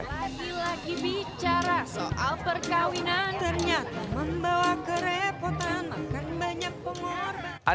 lagi lagi bicara soal perkawinan ternyata membawa kerepotan akan banyak pengorbanan